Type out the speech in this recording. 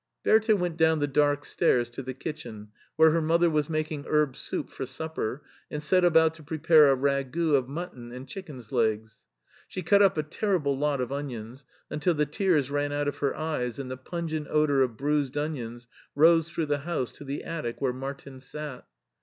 Bertha went down the dark stairs to the kitchen, where her mother was making herb soup for supper, and set about to prepare a ragout of mutton and chicken's legs. She cut up a terrible lot of onions, until the tears ran out of her eyes and the pungent odor of bruised onions rose through the house to the attic where Martin sat.